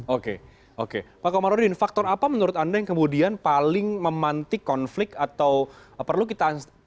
oke oke pak komarudin faktor apa menurut anda yang kemudian paling memantik konflik atau perlu kita antisipasi